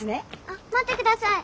あっ待って下さい。